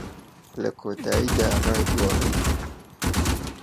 لە کۆتاییدا، ڕای گۆڕی.